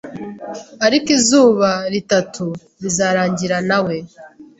Ariko izuba ritatu bizarangirana na we